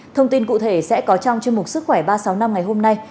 thông tin cụ thể sẽ có trong chương mục sức khỏe ba trăm sáu mươi năm ngày hôm nay